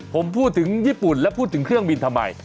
ผมพูดถึงญี่ปุ่นแล้วพูดถึงเครื่องบินทำไม